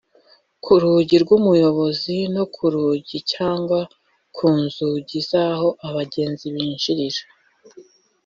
ku rugi rw'umuyobozi no ku rugi cyangwa ku nzugi z'aho abagenzi binjirira